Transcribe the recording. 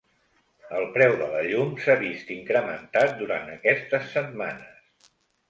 El preu de la llum s'ha vist incrementat durant aquestes setmanes.